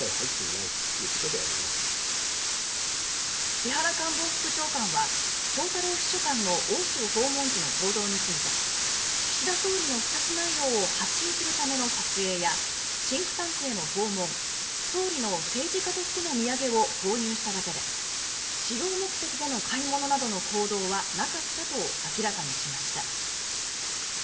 木原官房副長官は翔太郎秘書官の欧州訪問時の行動について岸田総理の視察内容を発信するための撮影やシンクタンクへの訪問総理の政治家としての土産を購入しただけで私用目的での買い物などの行動は無かったと明らかにしました。